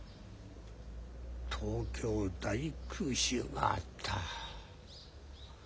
東京大空襲があった。